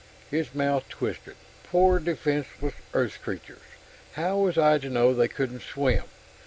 His mouth twisted. "Poor, defenseless Earth creatures! How was I to know they couldn't swim?